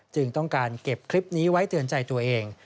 จึงต้องการเก็บคลิปนี้ไว้เตือนใจตัวเอง